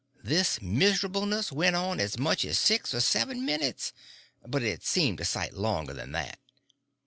This miserableness went on as much as six or seven minutes; but it seemed a sight longer than that.